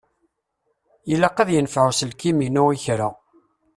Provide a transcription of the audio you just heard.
Ilaq ad yenfeɛ uselkim-inu i kra.